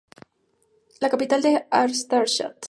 La capital es Artashat.